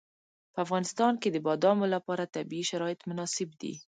په افغانستان کې د بادامو لپاره طبیعي شرایط مناسب دي.